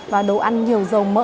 và đồ ăn nhiều dầu mỡ